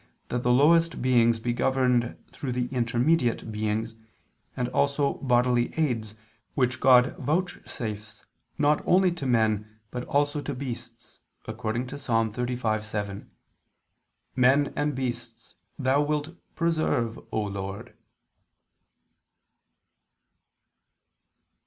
that the lowest beings be governed through the intermediate beings: and also bodily aids, which God vouchsafes not only to men, but also to beasts, according to Ps. 35:7: "Men and beasts Thou wilt preserve, O Lord."